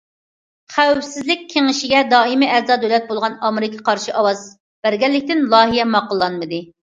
خەۋپسىزلىك كېڭىشىگە دائىمىي ئەزا دۆلەت بولغان ئامېرىكا قارشى ئاۋاز بەرگەنلىكتىن، لايىھە ماقۇللانمىدى.